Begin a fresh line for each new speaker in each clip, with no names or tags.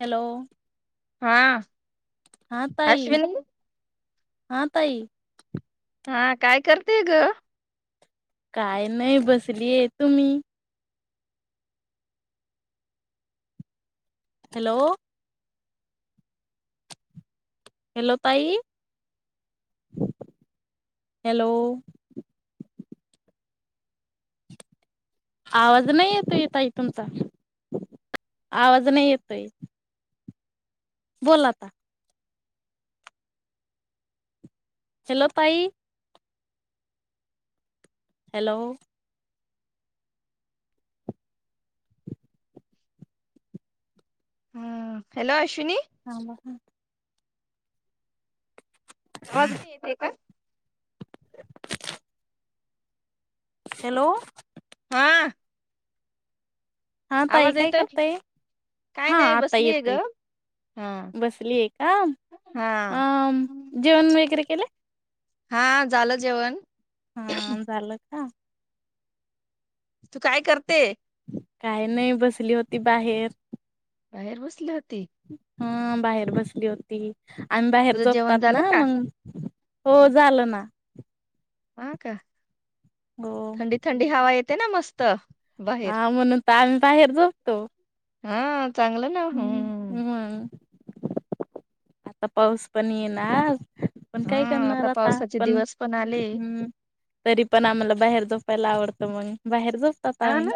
Hello
हा
हा ताई
अश्विनी
हा ताई
हा काय करते ग
काय नाही बसलीये तुम्ही? हॅलो हॅलो ताई हॅलो आवाज नाही येतोय ताई तूमचा आवाज नाही येतोय. बोल आता, हॅलो ताई, हॅल
हम्म हॅलो अश्विनी
हा ब ह
आवाज नाही येते का.
हॅलो
हा
हा ताई
आवाज
काय
येतोय
करताय,
काय
हा
नाही
आता
बसलीय ग
येतय
हा
बसली आहे. का
हा
अ जेवण वगैरे केला
हा झालं जेवण.
हा झालं का.
तू काय करते.
काही नाही बसली होती बाहेर.
बाहेर बसल्यात. ते
हा बाहेर बसली होती. आम्ही बाहेर
तुझं जेवण
जोपतात
झालं
ना
का
म्हणून. हो झालं ना
हा का.
हो
थंडी थंडी हवा येत. ते ना मस्त बाहेर
हा म्हणून तर आम्ही बाहेर झोपतो
हा चांगलं ना ह
मग आता पाऊस पण येणार पण
हा
काय करणार आता
पावसाचे
पण
दिवस आले
हम् तरी पण आम्हाला बाहेर दो ला आवडत मग बाहेर जा
हा ना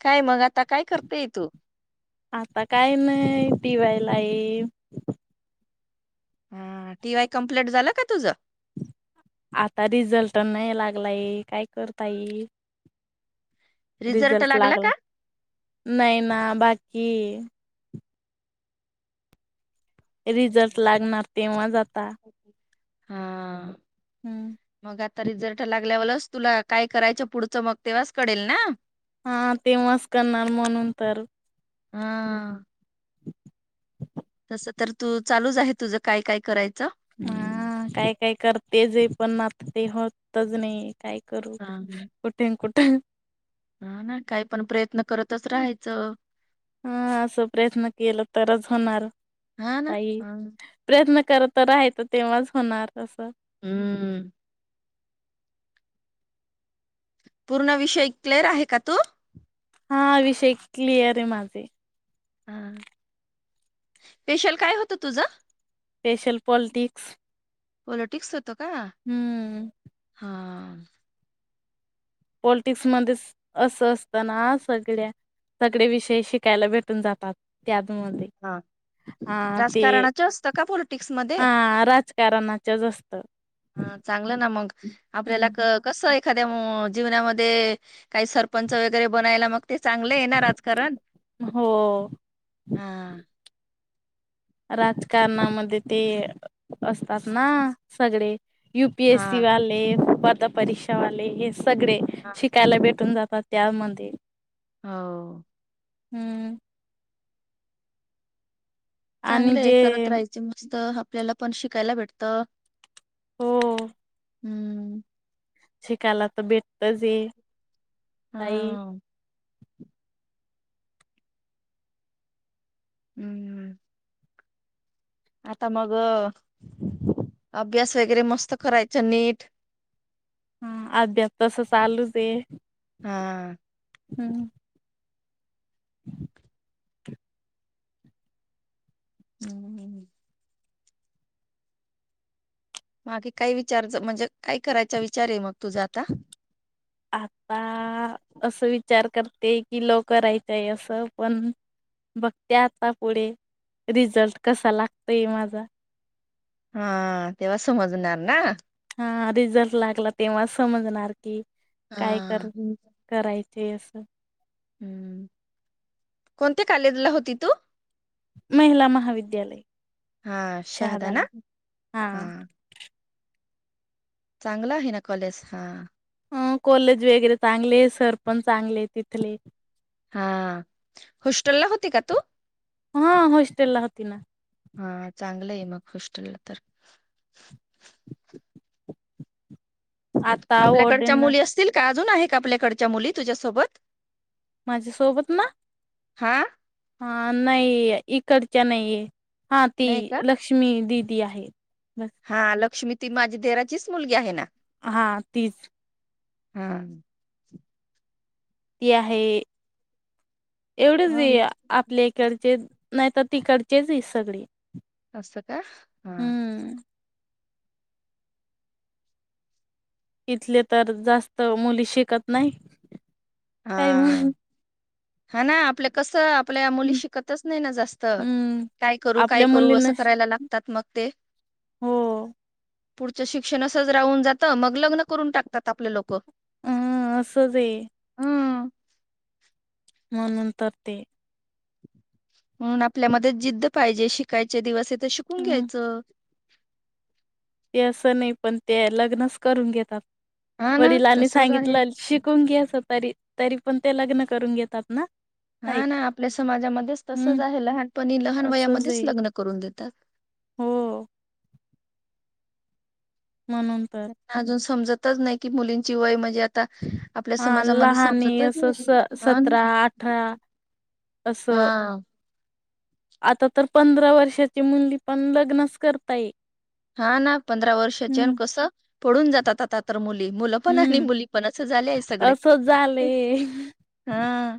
काय मग आता काय करतेय तू
आता काही नाही टिवाय लाई
हा टी वाय कम्प्लीट झालं का तुझ
आता रिझल्ट नाही लागलाय काय करताई रिझल्ट लागला नाही ना बाकी रिझल्ट लागणार तेव्हा ज
हा मग आता रिझल्ट लागल्यावरच तुला काय करायचं पुढचं मग तेव्हाच कळेल ना?
हा तेंव्हाच कळणार म्हणून तर.
हा.
[inaudible]
तसं तर तू चालूच आहे तुझं काय काय करायच
हा काय काय करतेच आहे, पण आत ते होतच नाही, काय करू
हा
कुठे कुठ [inaudible]
हा ना काय पण प्रयत्न करतच राहायचं.
हा असं प्रयत्न केलं तरच होणार,
हा ना.
ताई
हा.
प्रयत्न करत राहायच तेव्हाच होणार असं.
हम्म, पूर्ण विषय क्लिअर आहे का तू?
हा विषय क्लिअर आहे माझे.
हा स्पेशल काय होतं तुझं?
स्पेशल पोल्टिक्स
पॉलिटिक्स त का? हा. [inaudible]
पॉलिटिक्स मध्येच असं असत ना सगळ्या सगळे विषय शिकायला भेटून जातात त्यात.
ह राजकारणाच असत का पॉलिटिक्स मध्ये?
हा राजकारणाच्याच असत
चांगलं ना मग आपल्याला कस एखाद्या मु जीवनामध्ये काही सरपंच वगैरे बनायला, मग ते चांगलं आहे ना राजकारण.
हो
हा.
राजकारणामध्ये ते, असतात ना सगळे. युपी एस सी
हा
वालेे, पात्र परीक्षावाले, हे सगडे
हा.
शिकायला भेट कून जातात त्यामध्ये,
हो.
हम्म. आणि
चांगले आहे,
जे
करत राहायचे मस्त आपल्याला पण शिकायला भेटत. हम्म.
शिकयला तर भेटतच ये,
हा. हम्मम आता मग, अभ्यास वगैरे मस्त करायचं नीट
हा अभ्यास तस चालूच हे.
हा. हम्म ह्. मागे काही विचार म्हणजे, काय करायचा विचार आहे मग तुझा आता.
आता असं विचार करते, कि लो करायचाय असं. पण बघते आता पुढे रिझल्ट कसा लागतोय माझा.
हा तेव्हा समजणार ना,
ह रिझल्ट लागला तेव्हा समजणार, कि काय कर
हा
करायच. तेसं
हम् कोणत्या कालेजला होती तू?
महिला महाविद्यालय.
हा
शहादाला
शहादना हा, चांगला आहे. ना कॉलेज हा
अ कॉलेज वगैरे चांगले आहे. सरपंच चांगले तिथले,
हा होशटेल ला होती का तू,
हा हस्टेल ला होती.
होस्टेलला तर
आता
आपल्याकडच्या
ओडेन
मुली असतील का, अजून आहे का आपल्याकडच्या मुली तुझ्यासोबत?
माझ्या सोबत ना
हा
हा नाही इकडच्या नाही आहे. हां ती
नाही का
लक्ष्मी दि ती आहे. बस
हा लक्ष्मी ती माझी दिराचीच मुलगी आहे ना.
हा तीच
ह
ती आहे. एवढंच
हा,
आहे आपल्या इकडचे नाही तर तिकडचेच आहे सगळी.
असच का हा
इथले तर जास्त मुली शिकत नाही.
हा
काही म्हणून
हा ना आपलं कस आपल्या मुली शिकतच नाही ना जास्त
हम्म.
काय करू काय
आपल्या
करू असं
मुलींना
करायला लागत. त्यात मग ते
हो
पुढचं शिक्षण असंच राहून जातं मग लग्न करून टाकात आपले लोक.
हम् असं ते
हम
म्हणून तर ते
म्हणून आपल्यामध्ये जिद्द पाहिजे शिकायचे दिवस तर शिकून
हम्म
घ्यायचं.
ते असं नाही पण ते लग्नच करून घेतात.
हा ना
वडिलांनी
तसच आहे
सांगितलं शिकून घे असं तरी तरी पण ते लग्न करून घेतात ना. ताई
हा ना आपल्या समाजामध्येच तसच
हम्म
आहे लहानपणी लहान
असंच
वयामध्येच
आहे
लग्न करून देतात.
हो म्हणून तर
अजून समजत नाही की मुलींची वय म्हणजे आता आपल्या
हा
समाजामध्ये
लहान
समजतच
असं स
नाही हा ना
सतरा अठरा असं
हा
आता तर पंधरा वर्षाची मुली पण लग्नच करता ये
हा ना पंधरा वर्षाच्यान कसं? पळून जातात आता तर मुली. मुलं पण आणि
हम्म
मुली पण अस झाले आहे सगळे
असंच झाले
हा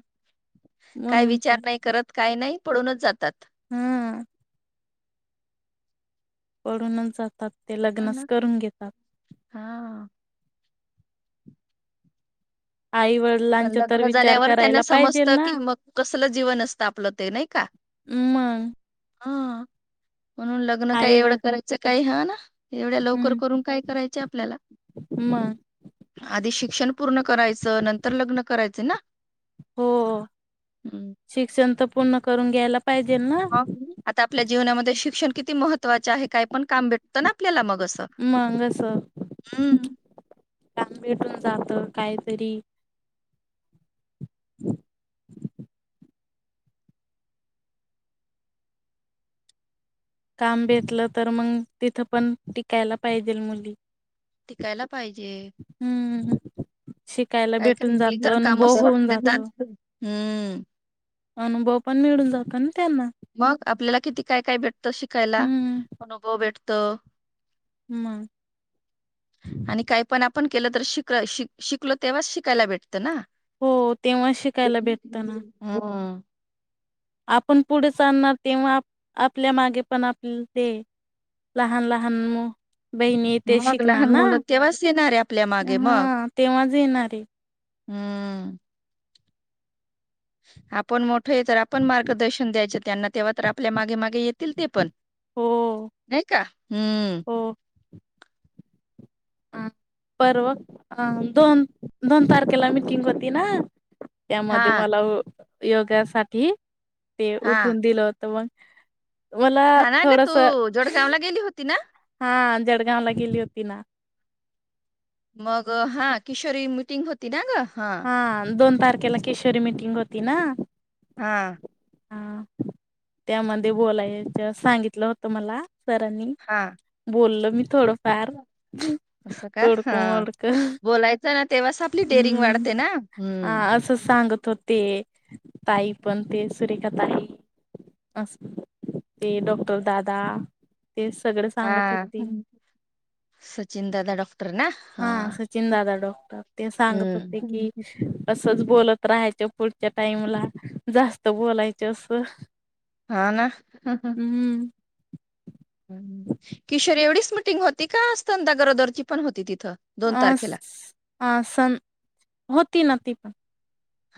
काय
म्हणून
विचार नाही करत काय नाही. पडूनच जातात.
हम्म. पडूनच जातात. ते
हा
लग्नच
ना
करून घेतात.
हा
आई
पण
वडिलांचा तर
लग्न
विचार
झाल्यावर
करायला
त्यांना
पाहिजेल
समजत
ना
कि मग कसल जीवन असतं आपलं ते नाय का?
मग
हां. म्हणून लग्न काय
आई व
एवढं करायचं काय हा [inaudible] एवढ्या लवकर
हम्म
करून काय करायचे आपल्याला
मग
आधी शिक क्षण पूर्ण कयचं नं तर लग्न करायचे ना?
हो
हं.
शिक्षण तर पूर्ण करून ग्याला पाहिजेल ना?
मग आता आपल्या जीवनामध्ये शिक्षण किती महत्त्वाचे आहे काय पण काम भेटतं ना आपल्याला मग असं.
मग अस
हं.
काम भेटून जात काहीतरी ह काम
हं.
बेतलं तर मग तिथं पण टिकायला पाहिजेल मुली
टिकायला पाहिजे.
हम्म शिकायला
काही-काही
भेटून जातं अनुभव होऊन जात.
हम्म.
अनुभव पण मिळून जात ना त्यांना
मग आपल्याला किती काय काय भेटतं शिकायला
हम्म
अनुभव भेटत त
मं.
आणि काय पण आपण केल तर शिकलाय शिक शिकलो तेव्हाच शिकायला भेट तना
हो तेव्हा शिकायला भेटत ना
हम्म.
आपण पुढे चालणार तेव्हा आपण आपल्या मागे पण आप ले लहान लहान मु बहिणी ते
मग
शिकणार
लहान
ना
मुलं तेव्हाच येणार आहे आपल्या मागे मग
हा तेव्हाच येणारे
हम्म. आपण मो कुठे तर आपण मार्गदर्शन द्यायचे त्यांना तेव्हा तर आपल्या मागे मागे येतील ते पण
हो
नाही का? हम्म.
हो परवा अ दोन दोन तारखेला मिीटिंग होती ना?
हा
त्यामध्ये मला योगासाठी ते
हा
उठून दिलं तम
हा ना ग तू जोडगावला गेली होती ना,
हा जळगाव ला गेली होती ना
मटिंग होती ना ग
हा दोन पारखेला क केशोरी मिीटिंग होती ना.
हा
हा त्यामध्ये बोलायच्या सांगितलं होतं मला सरांनी बोललं मी थोडं
अस का हा
मोडकं
बोलायचं ना तेव्हाच आपली डेरिंग
हम्म
वाढते. ना
हा
हम्म
असं सांगत होते. ताई पण ते सुरेखा ताई अस ते डॉक्टर दादा ते सगळे
हा
सांगत होते
सचिन दादा डॉक्टर ना
हा सचिन दादा डॉक्टर ते सांगत होते
हम्म
की अस बोलत राहायच पुढच्या टाइमला जास्त बोलायच असं
हा ना
हम्म
किशोर एवढीच मिटिंग होती का स्तनदा गरोदरची पण होती तिथे?
अ अ स होती नती ह्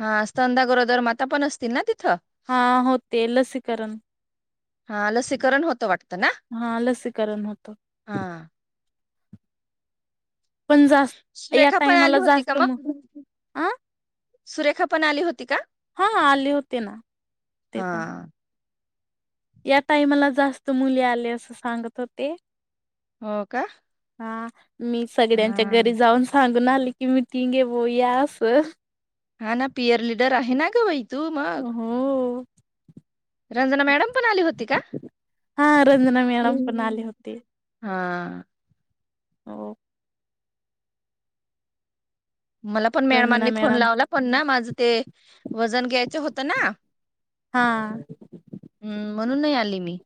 हा स्तनदा गरोदर माता पण असतील ना ती
हा हो ते लसीकरण
हा लसीकरण होतं वाटतं. ना
हा लसीकरण होतं.
हा
पण जास् या
सुरेखा पण आली
टाइमाला
होती का
जास्त मग अ
सुरेखा पण आली होती का?
हा आले होते ना ते
हा
पण या टाईमाला जास्त मुली आले असं सांगत होते.
हो का?
हा मी सगळ्यांच्या घरी
हा
जाऊन सांगून आली. कि मिटींग आहे बया अस
हा ना पियर लीडर आहे ना गौरी
हो.
रंजना मॅडम पण आली होती का
हा रंजना मॅडम पण आली होती.
हा
हो.
मला पण
रंजना
मॅडमांनी फोन
मॅडम
लावला पण ना माझं ते वजन घ्यायचं होत ना
हा.
हम्म म्हणून नाही आली मी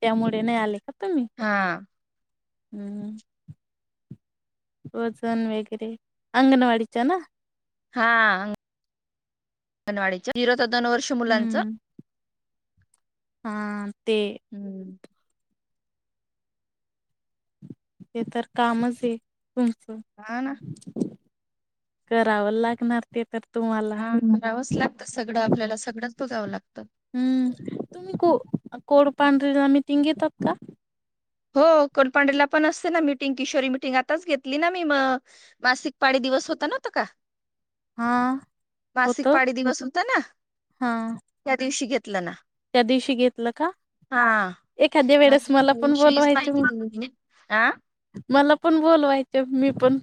त्यामुळे नाही आले का तुमी
हा
हम्म वजन वगैरे अंगणवाडीच्या ना
हा अंगणवाडीच्या दोन वर्ष मुलांच
हम्म हा ते
हम्म
ते तर कामच आहे. तुमचं.
हा ना
करावं लागणार ते तर. तुम्हाला
हा बघावाच लागतं सगळं आपल्याला सगळंच बघावं लागत.
हम्म तुम्ही को कोड पांढरीला मिटिंग घेतात का?
हो कोलपांडेला पण असते ना मिटिंग किशोरी मिटिंग आताच घेतली ना मी म मासिक पाळी दिवस होता नवता का?
हा
मासिक
होतं
पाळी दिवस होता ना
हा
त्या दिवशी घेत घेतल ना.
त्या दिवशी घेतलं का?
हा
एखाद्या वेळेस
मासिक
मला पण बो
पाळीविषयीच
बोलवायच
माहिती
म
दिली तिने हा
मला पण बोलवायचं मी पण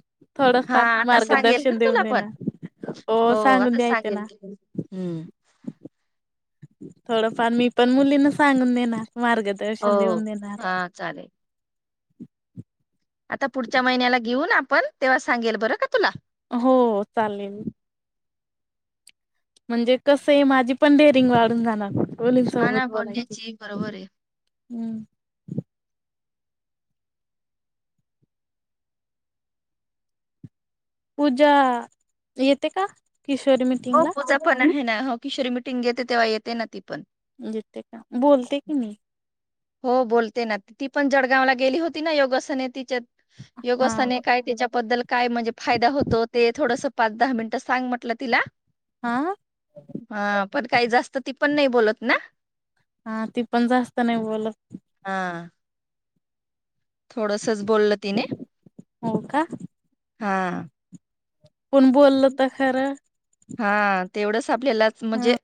हा
थोडंफार
आता सांगेल ना
मार्गदर्शन देऊन
तुला पण
देणार
हो
सांगून
आता
द्यायचे ना.
सांगेल त हम्.
थोडंफार मी पण मुलीना सांगून देणार.
हो
मार्गदर्शन देऊन देणार.
हा चालेल आता पुढच्या महिन्याला घेऊ ना आपण तेव्हा सांगेल बरं का तुला.
हो चालेल. म्हणजे कस आहे माझी पण डेरिंग वाढून जाणार.
ह ना
मुलींसोबत
पंडितजी बरोबर आहे.
हमं. पूजा येते का? किशोरी
हो
मिटिंगला
पूजा पण आहे ना हो किशोरी मिटिंग घेते तेव्हा येते ना ती पण.
येत का बोलते की नाही?
हो बोलते ना ती पण जळगावला गेली होती ना योगासने तिच्या
हा
योगासने काय त्याच्याबद्दल काय म्हणजे फायदा होतो ते थोडस पाच दहा मिनिटं सांग म्हटलं तिला
हा
हा पण काही जास्त ती पण नाही बोलत ना.
हा ती पण जास्त नाही बोलत.
हा थोडसच बोलल तिने.
हो का?
हा
पण बोललता खर
हा तेवढंच आपल्यालाच म्हणजे